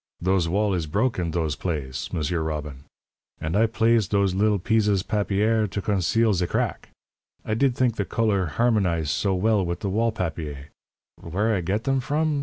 Those wall is broke in those plaze, M'sieur Robbin', and I plaze those li'l peezes papier to conceal ze crack. I did think the couleur harm'nize so well with the wall papier. Where I get them from?